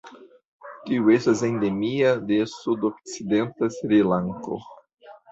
Tiu estas endemia de sudokcidenta Srilanko.